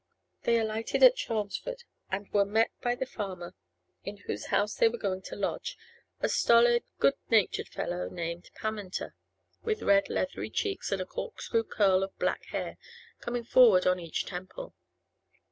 They alighted at Chelmsford, and were met by the farmer in whose house they were going to lodge, a stolid, good natured fellow named Pammenter, with red, leathery cheeks, and a corkscrew curl of black hair coming forward on each temple.